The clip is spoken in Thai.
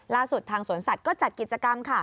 ล่าสุดทางสวนสัตว์ก็จัดกิจกรรมค่ะ